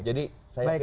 jadi saya yakin pasti ada